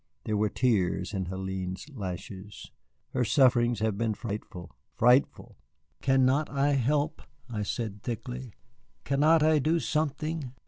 There were tears on Hélène's lashes. "Her sufferings have been frightful frightful." "Cannot I help?" I said thickly. "Cannot I do something?"